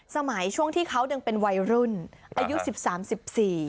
สมัยช่วงที่เขายังเป็นวัยรุ่นอายุ๑๓๑๔ครับ